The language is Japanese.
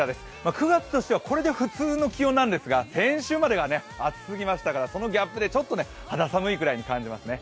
９月としてはこれで普通の気温なんですが、先週までが暑すぎましたからそのギャップでちょっと肌寒いくらいに感じますね。